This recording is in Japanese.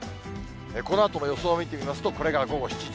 このあとの予想を見てみますと、これが午後７時。